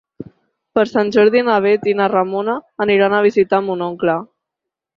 Per Sant Jordi na Bet i na Ramona aniran a visitar mon oncle.